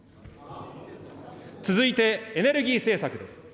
続いてエネルギー政策です。